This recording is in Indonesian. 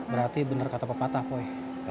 berarti benar kata pak patah boy